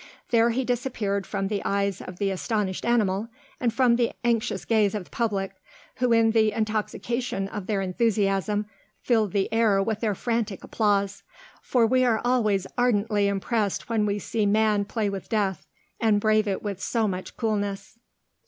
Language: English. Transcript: There he disappeared from the eyes of the astonished animal, and from the anxious gaze of the public, who in the intoxication of their enthusiasm filled the air with their frantic applause; for we are always ardently impressed when we see man play with death, and brave it with so much coolness.